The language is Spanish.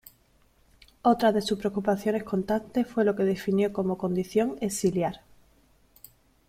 Otra de sus preocupaciones constantes fue lo que definió como Condición Exiliar.